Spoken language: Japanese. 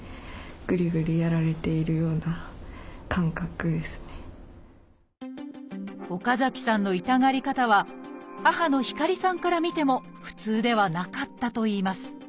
例えば岡崎さんの痛がり方は母の光さんから見ても普通ではなかったといいます